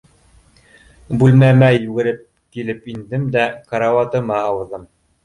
Бүлмәмә йүгереп килеп индем дә, карауатыма ауҙым.